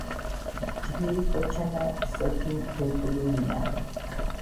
ჯგირი კოჩანა სოთინ ვეფულუნია